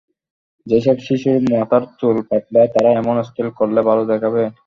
যেসব শিশুর মাথার চুল পাতলা, তারা এমন স্টাইল করলে ভালো দেখাবে।